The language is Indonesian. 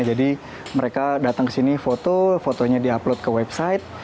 jadi mereka datang ke sini foto fotonya di upload ke website